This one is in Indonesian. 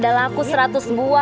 masih rambutnya phylsemble